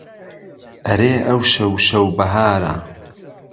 ئهرێ ئهوشهو شهو بههاره